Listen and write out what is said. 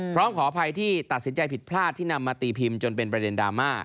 ขออภัยที่ตัดสินใจผิดพลาดที่นำมาตีพิมพ์จนเป็นประเด็นดราม่า